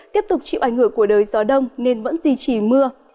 tiếp tục chịu ảnh hưởng của đới gió đông nên vẫn duy trì mưa